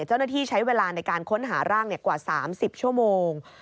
เจ้าหน้าที่ใช้เวลาในการค้นหาร่างกว่า๓๐ชั่วโมง